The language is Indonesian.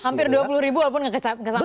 hampir dua puluh walaupun ga kena sampean juga